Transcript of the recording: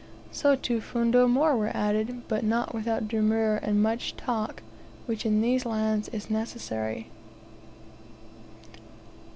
So two fundo more were added, but not without demur and much "talk," which in these lands is necessary.